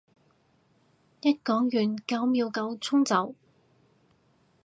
一講完九秒九衝走